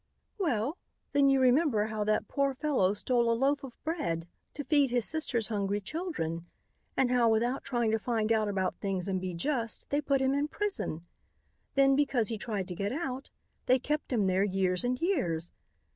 "Well, then you remember how that poor fellow stole a loaf of bread to feed his sister's hungry children and how, without trying to find out about things and be just, they put him in prison. Then, because he tried to get out, they kept him there years and years.